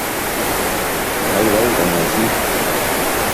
Nahi bai, baina ezin!